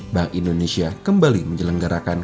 bank indonesia kembali menyelenggarakan